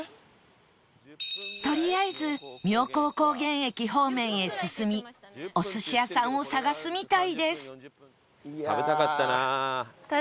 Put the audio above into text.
とりあえず妙高高原駅方面へ進みお寿司屋さんを探すみたいです